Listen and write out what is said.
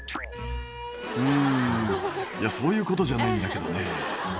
「うんいやそういうことじゃないんだけどね」